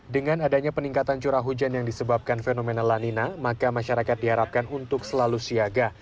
dengan adanya peningkatan curah hujan yang disebabkan fenomena lanina maka masyarakat diharapkan untuk selalu siaga